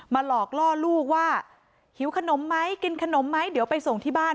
หลอกล่อลูกว่าหิวขนมไหมกินขนมไหมเดี๋ยวไปส่งที่บ้าน